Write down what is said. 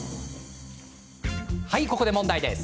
ここで問題です。